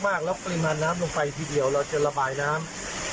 บุหรักแล้วไปนำลงไปทีเดียวเราจะระบายน้ำ